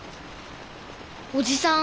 おじさん